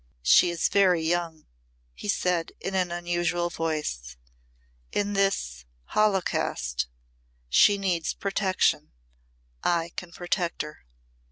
"She is very young," he said in an unusual voice. "In this holocaust she needs protection. I can protect her."